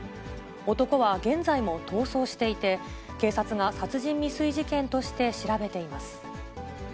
男は現在も逃走していて、警察が殺人未遂事件として調べています。